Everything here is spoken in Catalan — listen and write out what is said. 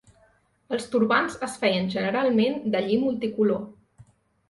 Els turbants es feien generalment de lli multicolor.